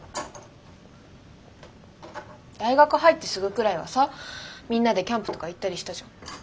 大学入ってすぐくらいはさみんなでキャンプとか行ったりしたじゃん。